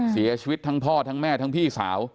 เสียชีวิตทั้งพ่อทั้งแม่ทั้งพี่สาว